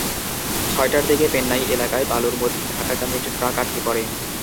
ছয়টার দিকে পেন্নাই এলাকায় বালুর মধ্যে ঢাকাগামী একটি ট্রাক আটকে পড়ে।